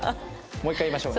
もう一回言いましょう。